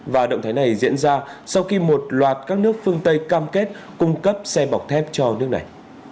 và động thái này diễn ra sau khi một loạt các nước phương tây cam kết cung cấp xe bọc thép cho nước này